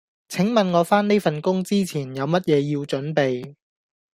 請問我返呢份工之前有乜嘢要準備？